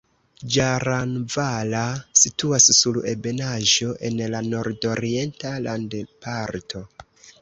Ĝaranvala situas sur ebenaĵo en la nordorienta landparto.